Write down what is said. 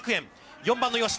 ４番の吉田。